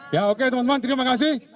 ya oke teman teman terima kasih